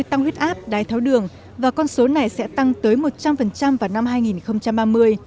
áp đai tháo đường và con số này sẽ tăng tới một trăm linh vào năm hai nghìn ba mươi